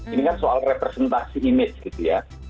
ini kan soal representasi image gitu ya